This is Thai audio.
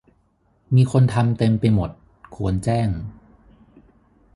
มีคนทำเต็มไปหมด ควรแจ้ง